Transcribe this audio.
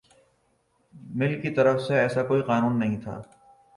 مل کی طرف سے ایسا کوئی قانون نہیں تھا